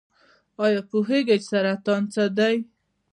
ایا پوهیږئ چې سرطان څه دی؟